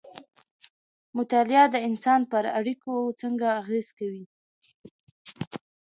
مطالعه د انسان پر اړيکو څنګه اغېز کوي؟